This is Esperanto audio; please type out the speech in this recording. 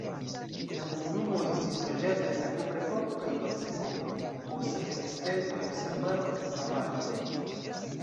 La komunumo estis loĝata en la kuprepoko kaj bronzepoko, poste alvenis keltoj, sarmatoj, avaroj.